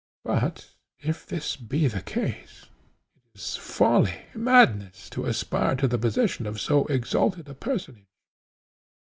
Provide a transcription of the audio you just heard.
But if this be the case, it is folly, madness, to aspire to the possession of so exalted a personage.